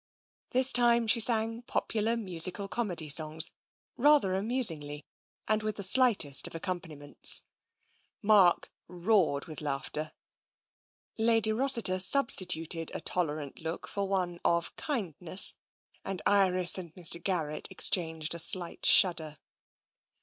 This time she sang popular musical comedy songs, rather amusingly, and with the slightest of accom paniments. Mark roared with laughter, Lady Rossiter substi 88 TENSION tuted a tolerant look for the one of kindness, and Iris and Mr. Garrett exchanged a slight shudder.